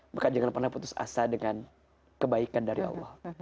maka jangan pernah putus asa dengan kebaikan dari allah